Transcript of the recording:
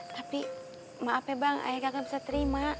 tapi maap ya bang ayah kagak bisa terima